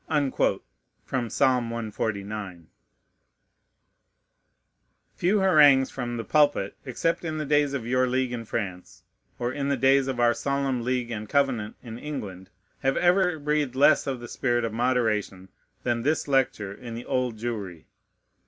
" Few harangues from the pulpit, except in the days of your League in France, or in the days of our Solemn League and Covenant in England, have ever breathed less of the spirit of moderation than this lecture in the Old Jewry.